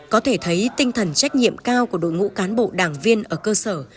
có thể thấy tinh thần trách nhiệm cao của đội ngũ cán bộ đảng viên ở cơ sở